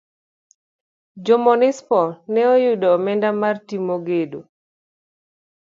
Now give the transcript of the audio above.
Jo munispol ne oyudo omenda mar timo gedo.